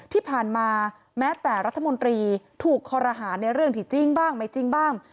ที่ผ่านมาแม้แต่รัฐมนตรีถูกคอรหาในเรื่องที่จริงบ้างไม่จริงบ้าง